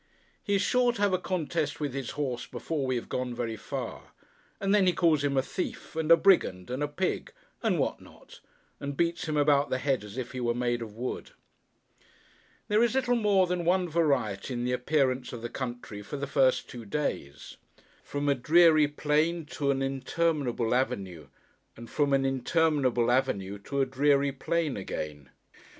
He is sure to have a contest with his horse before we have gone very far; and then he calls him a Thief, and a Brigand, and a Pig, and what not; and beats him about the head as if he were made of wood. There is little more than one variety in the appearance of the country, for the first two days. From a dreary plain, to an interminable avenue, and from an interminable avenue to a dreary plain again.